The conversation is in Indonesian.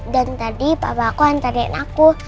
dan tadi papa aku antar dia anakku